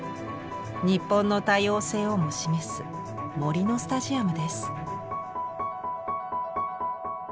日本の多様性をも示す杜のスタジアムです。